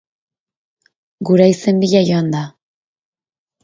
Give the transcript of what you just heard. Guraizen bila joan da.